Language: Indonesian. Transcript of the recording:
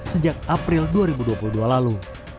sejak april dua ribu dua puluh dua lalu